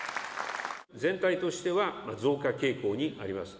全体としては、増加傾向にあります。